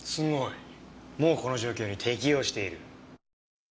もうこの状況に適応している。